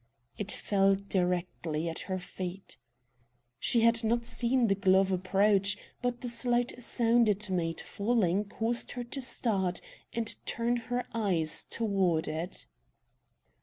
It fell directly at her feet. She had not seen the glove approach, but the slight sound it made in falling caused her to start and turn her eyes toward it.